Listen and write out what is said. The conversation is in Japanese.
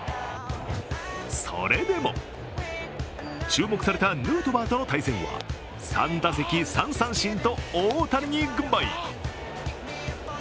それでも注目されたヌートバーとの対戦は３打席３三振と大谷に軍配。